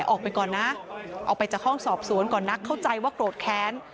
ออกไปจากห้องสอบสวนก่อนนะเข้าใจว่ากรโหดแค้น